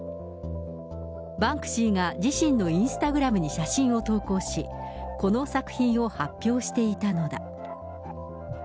バンクシーが自身のインスタグラムに写真を投稿し、この作品を発表していたのだ。